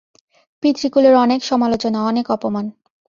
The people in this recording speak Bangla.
পিতৃকুলের অনেক সমালোচনা, অনেক অপমান!